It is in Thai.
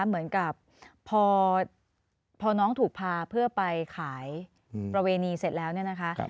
เหมือนกับพอน้องถูกพาเพื่อไปขายประเวณีเสร็จแล้วเนี่ยนะคะ